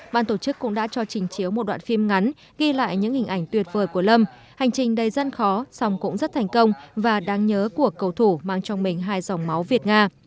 ban tổ chức cũng đã cho trình chiếu một đoạn phim ngắn ghi lại những hình ảnh tuyệt vời của lâm hành trình đầy dân khó song cũng rất thành công và đáng nhớ của cầu thủ mang trong mình hai dòng máu việt nga